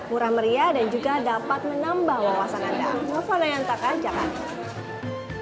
murah meriah dan juga dapat menambah wawasan anda